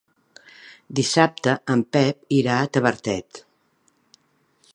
Dissabte en Pep irà a Tavertet.